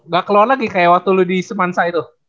gak keluar lagi kayak waktu lu di semansa itu